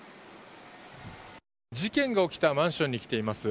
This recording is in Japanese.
事件が起きたマンションに来ています。